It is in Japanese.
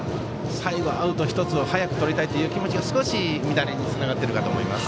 最後、アウト１つを早くとりたいという気持ちが少し乱れにつながっていると思います。